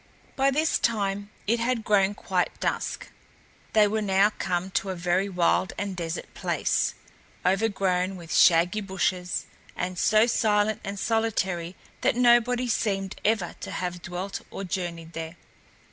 By this time it had grown quite dusk. They were now come to a very wild and desert place, overgrown with shaggy bushes and so silent and solitary that nobody seemed ever to have dwelt or journeyed there.